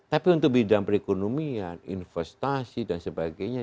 tapi untuk bidang perekonomian investasi dan sebagainya